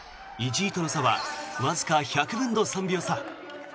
１位との差はわずか１００分の３秒差。